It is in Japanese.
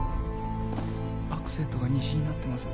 アクセントが西になってます。